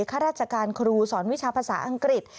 ข้าราชการครูสอนวิชาภาษาอังกฤษ